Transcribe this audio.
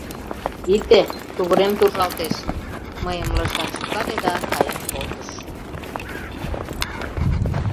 — Ите... тувырем туржалтеш, — мыйым лыжган шӱкале да каен колтыш.